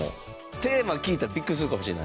テーマ聞いたらビックリするかもしれないです。